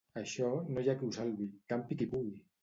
Això no hi ha qui ho salvi. Campi qui pugui!